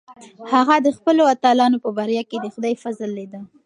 هغه د خپلو اتلانو په بریا کې د خدای فضل لیده.